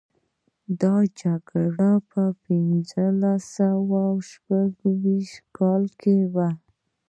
دا جګړه په پنځلس سوه او شپږویشتم کال کې وه.